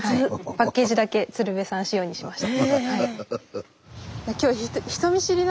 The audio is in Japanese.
パッケージだけ鶴瓶さん仕様にしました。